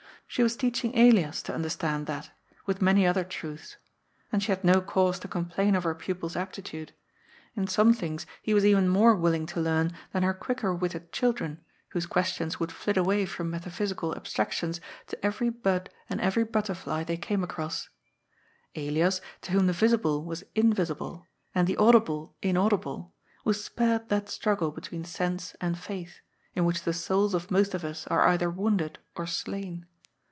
She was teaching Elias to understand that, with many other truths. And she had no cause to complain of her pupil's aptitude ; in some things he was even more willing to learn than her quicker witted children, whose questions SOCIAL SCIENCE. 389 would flit away from metaphysical abstractions to every bud and every butterfly they came across. Elias, to whom the visible was invisible and the audible inaudible, was spared that struggle between sense and faith, in which the souls of most of us are either wounded or slain.